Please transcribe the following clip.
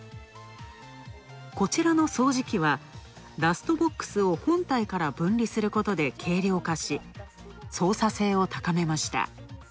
こちらの掃除機はダストボックスを本体から分離することで軽量化し、操作性を高めました。